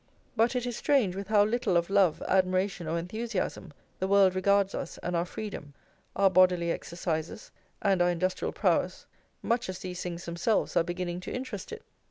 But it is strange with how little of love, admiration, or enthusiasm, the world regards us and our freedom, our bodily exercises, and our industrial prowess, much as these things themselves are beginning to interest it.